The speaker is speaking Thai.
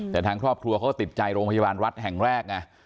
แต่ทางครอบครัวเขาก็ติดใจโรงพยาบาลวัดแห่งแรกไง